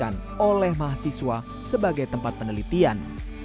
dan dimanfaatkan oleh mahasiswa sebagai tempat penelitian